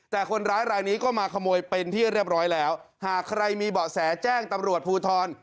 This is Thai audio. แต่คนร้ายรายนี้ก็มาขโมยเป็นที่เรียบร้อยแล้วหากใครมีเบาะแสแจ้งตำรวจภูทร